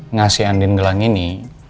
ngasih andin gelang ini